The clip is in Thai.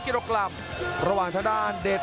เป็นหนุ่มขวางหน้าตี